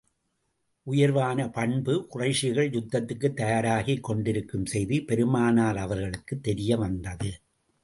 உயர்வான பண்பு குறைஷிகள் யுத்தத்துக்குத் தயாராகிக் கொண்டிருக்கும் செய்தி பெருமானார் அவர்களுக்குத் தெரிய வந்தது.